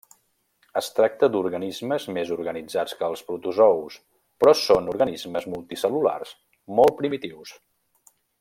Es tracta d'organismes més organitzats que els protozous, però són organismes multicel·lulars molt primitius.